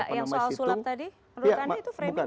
yang soal sulap tadi menurut anda itu framing